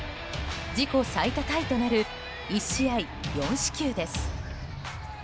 自己最多タイとなる１試合４四球です。